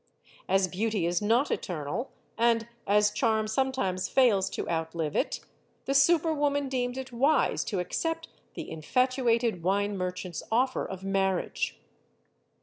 As beauty is not eternal and as charm sometimes fails to outlive it, the super woman deemed it wise to accept the infatuated wine merchant's offer of marriage.